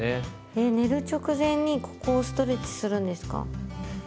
え寝る直前にここをストレッチするんですか？